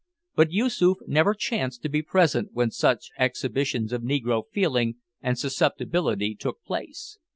But Yoosoof never chanced to be present when such exhibitions of negro feeling and susceptibility took place.